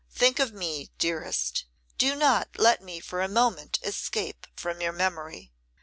Think of me, dearest. Do not let me for a moment escape from your memory.